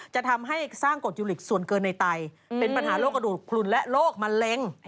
จะทำให้สร้างกฎจุลิกส่วนเกินในไตเป็นปัญหาโรคกระดูกพลุนและโรคมะเร็ง